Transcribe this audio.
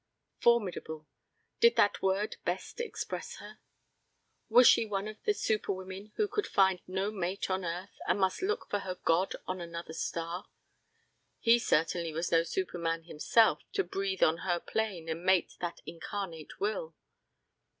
Formidable. Did that word best express her? Was she one of the superwomen who could find no mate on earth and must look for her god on another star? He certainly was no superman himself to breathe on her plane and mate that incarnate will.